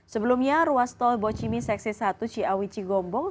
sebelumnya ruas tol bochimi seksi satu ciawi cinggombong